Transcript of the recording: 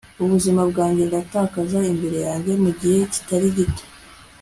ubuzima bwanjye ndatakaza imbere yanjye mugihe kitari gito